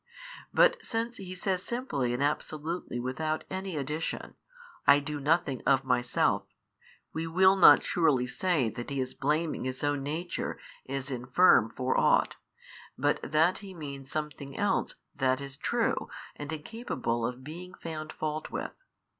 But since He says simply and absolutely without any addition, I do nothing of Myself, we will not surely say that He is blaming His own Nature as infirm for ought, but that He means something else that is true and incapable of being found fault with.